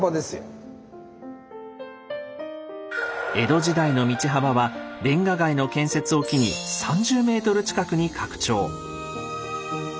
江戸時代の道幅はレンガ街の建設を機に３０ｍ近くに拡張。